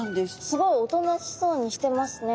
すごいおとなしそうにしてますね。